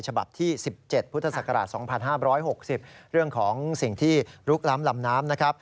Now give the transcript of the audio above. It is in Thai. ฉบับที่๑๗พุทธศักราช๒๕๖๐เรื่องของสิ่งที่ลุกล้ำลำน้ำนะครับ